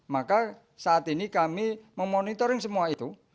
maka saat ini kami memonitoring semua itu